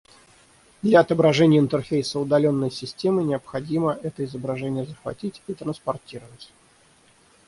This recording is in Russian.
Для отображения интерфейса удаленной системы, необходимо это изображение захватить и транспортировать